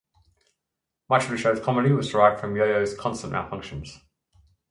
Much of the show's comedy was derived from Yoyo's constant malfunctions.